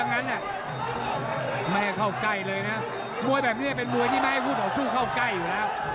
ไม่ให้เข้าใกล้เลยนะมวยแบบนี้เป็นมวยที่ไม่ให้ผู้สู้เข้าใกล้อยู่นะครับ